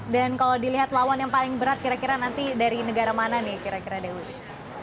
dan kalau dilihat lawan yang paling berat kira kira nanti dari negara mana nih kira kira dewi